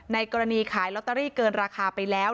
กรณีขายลอตเตอรี่เกินราคาไปแล้ว